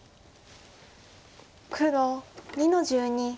黒２の十二。